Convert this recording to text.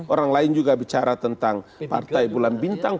orang lain juga bicara tentang partai bulan bintang